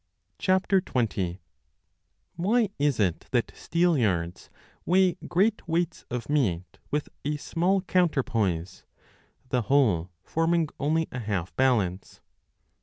20 WHY is it that steelyards 1 weigh great weights of meat with 25 a small counterpoise, the whole forming only a half balance